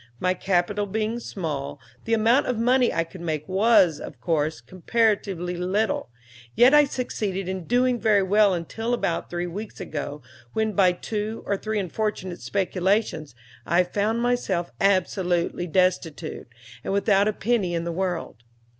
My capital being small, the amount of money I could make was, of course, comparatively little; yet I succeeded in doing very well until about three weeks ago, when, by two or three unfortunate speculations, I found myself absolutely destitute, and without a penny in the world.